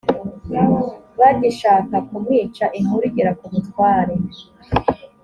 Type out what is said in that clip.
bagishaka kumwica inkuru igera ku mutware